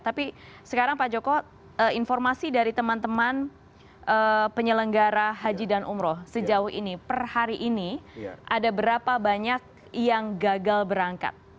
tapi sekarang pak joko informasi dari teman teman penyelenggara haji dan umroh sejauh ini per hari ini ada berapa banyak yang gagal berangkat